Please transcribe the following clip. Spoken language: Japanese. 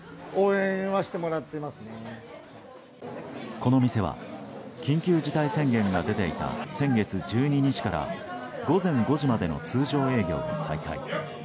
この店は緊急事態宣言が出ていた先月１２日から午前５時までの通常営業を再開。